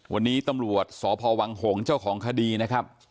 วันนี้ตำรวจสพวังหงษ์เจ้าของคดีนะครับ